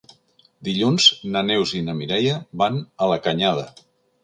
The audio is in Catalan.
Dilluns na Neus i na Mireia van a la Canyada.